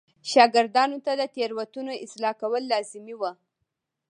شاګردانو ته د تېروتنو اصلاح کول لازمي و.